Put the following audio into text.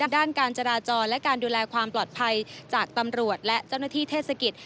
ด้านการจราจรและการดูแลความปลอดภัยจากตำรวจและเจ้าหน้าที่เทศกิจ